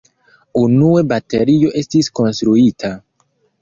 Unue baterio estis konstruita.